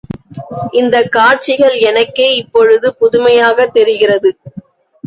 இந்தக் காட்சிகள் எனக்கே இப்பொழுது புதுமையாகத் தெரிகிறது.